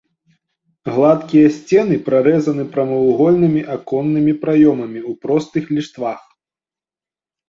Гладкія сцены прарэзаны прамавугольнымі аконнымі праёмамі ў простых ліштвах.